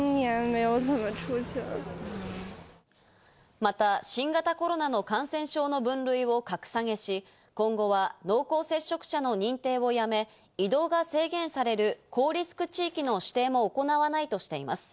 また新型コロナの感染症の分類を格下げし、今後は濃厚接触者の認定をやめ、移動が制限される高リスク地域の指定も行わないとしています。